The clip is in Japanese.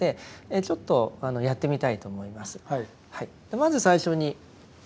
まず最初に。